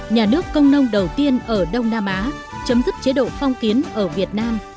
nhà nước công nông đầu tiên ở đông nam á chấm dứt chế độ phong kiến ở việt nam